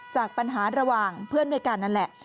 จากปัญหาระหว่างเพื่อนด้วยกันนั่นแหละ